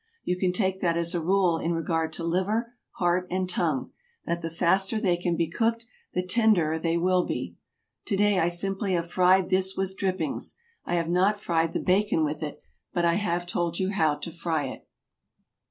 You can take that as a rule in regard to liver, heart and tongue, that the faster they can be cooked the tenderer they will be. To day I simply have fried this with drippings. I have not fried the bacon with it, but I have told you how to fry it.